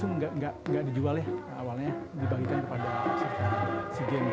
asian games itu nggak dijual ya awalnya dibagikan kepada si james